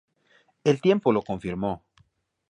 El tiempo lo confirmó.